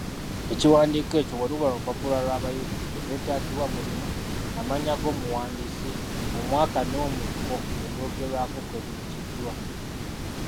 Ekiwandiiko ekyo bwe luba lupapula lw'abayivu, ebyetaagibwa mulimu: amannya g’omuwandiisi, omwaka n’omuko ebyogerwako kwe biggiddwa.